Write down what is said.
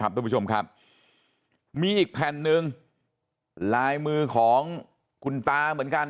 ทุกผู้ชมครับมีอีกแผ่นหนึ่งลายมือของคุณตาเหมือนกัน